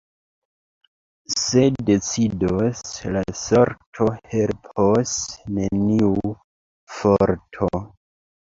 Se decidos la sorto, helpos neniu forto.